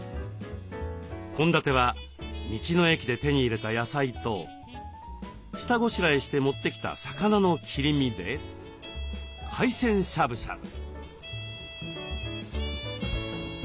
献立は道の駅で手に入れた野菜と下ごしらえして持ってきた魚の切り身で海鮮しゃぶしゃぶ。